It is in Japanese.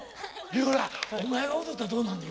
三浦お前が踊ったらどうなんの？